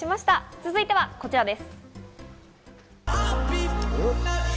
続いてはこちらです。